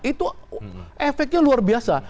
itu efeknya luar biasa